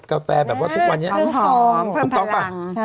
กาแฟแบบว่าทุกวันนี้เพิ่มหอมเพิ่มพลังถูกต้องปะ